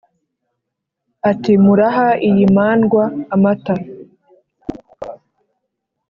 Ati: "Muraha iyi mandwa amata,